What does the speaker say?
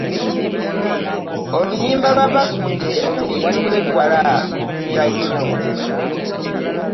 Oluyimba lwa Basudde oluyitibwa eggwala lunnyumira nnyo.